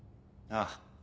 ああ。